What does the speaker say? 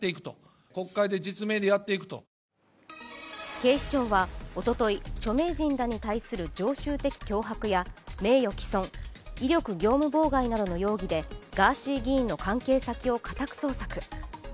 警視庁はおととい著名人らに対する常習的脅迫や名誉毀損、威力業務妨害などの容疑でガーシー議員の関係先を家宅捜索。